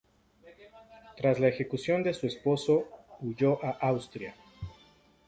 Tras la ejecución de su esposo huyó a Austria.